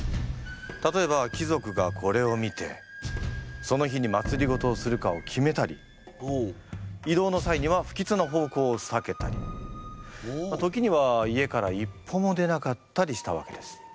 例えば貴族がこれを見てその日にまつりごとをするかを決めたり移動の際には不吉な方向をさけたり時には家から一歩も出なかったりしたわけです。